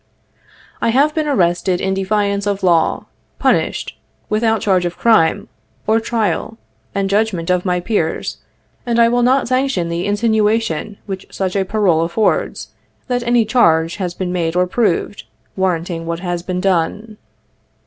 I have been arrested in defiance of law, punished without charge of crime, or trial, and judgment of my peers, and I will not sanction the insinuation which a parole affords, that any charge has been made or proved, warranting what has been done.